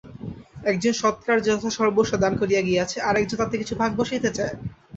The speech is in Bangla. একজন সৎকাজে যথাসর্বস্ব দান করিয়া গিয়াছে, আর একজন তাতে কিছু ভাগ বসাইতে চায়।